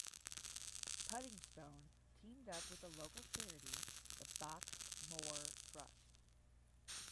Puddingstone teamed up with local charity the Box Moor Trust.